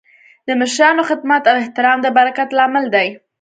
د مشرانو خدمت او احترام د برکت لامل دی.